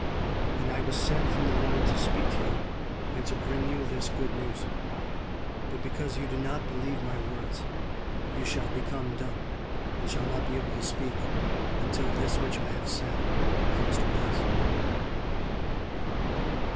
"And I was sent from the Lord to speak to you, and to bring you this good news. But because you did not believe my words, you shall become dumb, and shall not be able to speak, until this which I have said comes to pass."